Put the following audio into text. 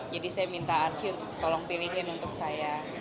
jadi saya minta arsy untuk tolong pilihin untuk saya